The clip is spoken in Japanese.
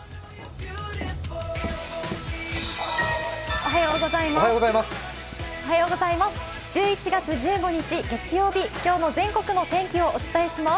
おはようございます。